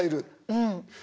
うん。